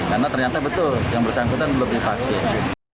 karena ternyata betul yang bersangkutan belum divaksin